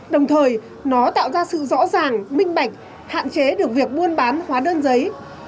đồng thời nó tạo ra sự rõ ràng minh bạch hạn chế được việc buôn bán hóa đơn giấy